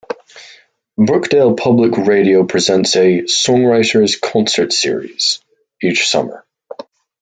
Brookdale Public Radio presents a "Songwriters Concert Series" each summer.